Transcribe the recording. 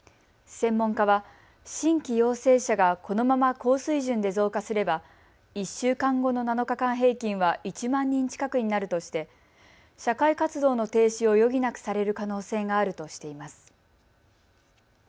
専門家は新規陽性者がこのまま高水準で増加すれば１週間後の７日間平均は１万人近くになるとして社会活動の停止を余儀なくされる可能性があるとしています。